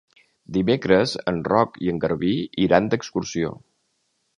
Dimecres en Roc i en Garbí iran d'excursió.